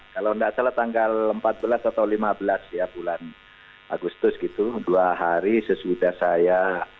kalau tidak salah tanggal empat belas atau lima belas ya bulan agustus gitu dua hari sesudah saya